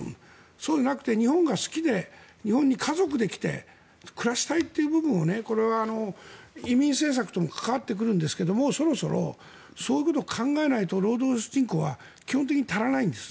そうでなくて日本が好きで日本に家族で来て暮らしたいという部分を移民政策とも関わってくるんですがそろそろそういうことを考えないと労働人口は基本的に足らないんです。